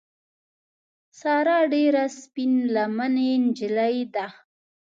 ساره ډېره سپین لمنې نجیلۍ ده.